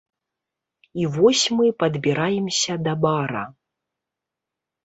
І вось мы падбіраемся да бара.